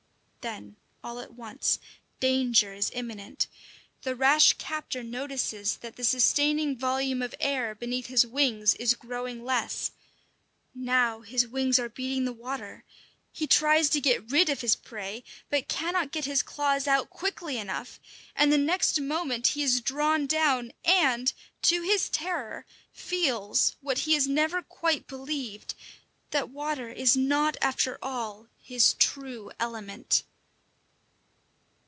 Then all at once danger is imminent! The rash captor notices that the sustaining volume of air beneath his wings is growing less. Now his wings are beating the water. He tries to get rid of his prey, but cannot get his claws out quickly enough; and the next moment he is drawn down and, to his terror, feels what he has never quite believed that water is not after all his true element.